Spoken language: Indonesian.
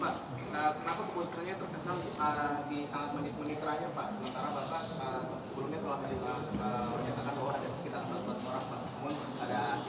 sebelumnya telah diulang